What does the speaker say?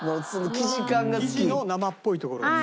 生地の生っぽいところが好き？